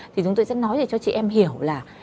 thì chúng tôi sẽ nói cho chị em hiểu